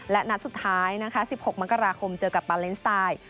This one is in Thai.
และนัดสุดท้ายนะคะ๑๖มกราคมเจอกับปาเลนสไตล์